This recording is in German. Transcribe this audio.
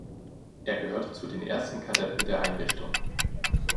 Er gehörte zu den ersten Kadetten der Einrichtung.